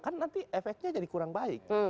kan nanti efeknya jadi kurang baik